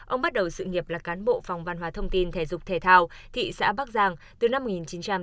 ông bắt đầu sự nghiệp là cán bộ phòng văn hóa thông tin thể dục thể thao thị xã bắc giang từ năm một nghìn chín trăm chín mươi